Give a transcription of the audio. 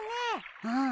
うん。